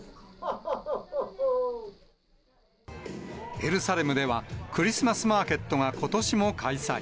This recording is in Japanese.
エルサレムではクリスマスマーケットがことしも開催。